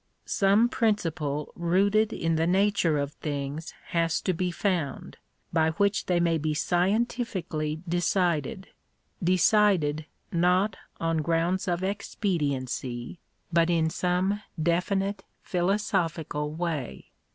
Some principle rooted in the nature of things has to be found, by which they may be scientifically decided — deoided, not on grounds of expediency, but in some definite, philosophical way.